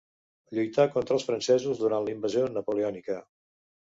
Lluità contra els francesos durant la invasió napoleònica.